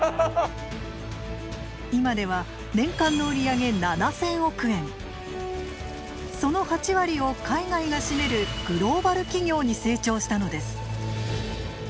今では年間のその８割を海外が占めるグローバル企業に成長したのです。